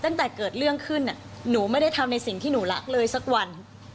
ตั้งแต่เกิดเรื่องขึ้นหนูไม่ได้ทำในสิ่งที่หนูรักเลยสักวัน